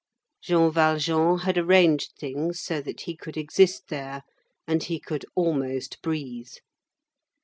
Jean Valjean had arranged things so that he could exist there, and he could almost breathe.